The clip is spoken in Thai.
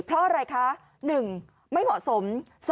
เพราะอะไรคะ๑ไม่เหมาะสม